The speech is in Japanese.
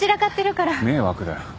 迷惑だよ。